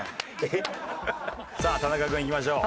さあ田中君いきましょう。